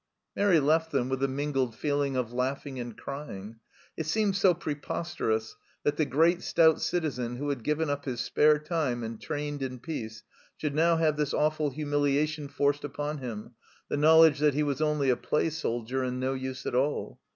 Mairi left them with a mingled feeling of laughing and crying ; it seemed so preposterous that the great stout citizen who had given up his spare time and trained in peace should now have this awful humiliation forced upon him, the knowledge that he was only a play soldier and no use at all.